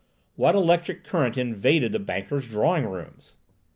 What electric current invaded the banker's drawing rooms?